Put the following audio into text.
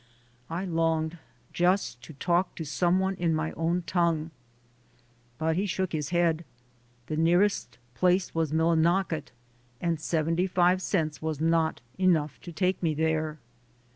I longed just to talk to some one in my own tongue. But he shook his head; the nearest place was MiUinocket, and seventy five cents was not enough to take me there.